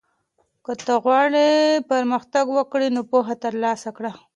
که ته غواړې پرمختګ وکړې نو پوهه ترلاسه کړه.